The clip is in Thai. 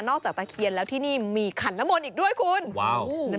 นอกจากตะเคียนแล้วที่นี่มีขันนมนต์อีกด้วยคุณ